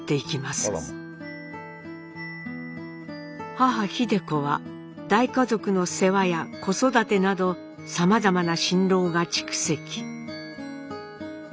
母秀子は大家族の世話や子育てなどさまざまな心労が蓄積。